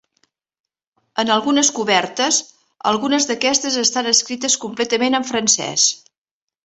En algunes cobertes, algunes d'aquestes estan escrites completament en francès.